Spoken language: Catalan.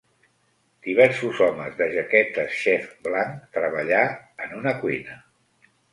Diversos homes de jaquetes xef blanc treballar en una cuina.